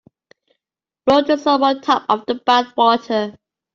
Float the soap on top of the bath water.